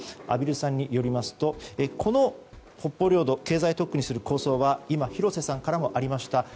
畔蒜さんによりますとこの北方領土経済特区にする構想は今、廣瀬さんからもありました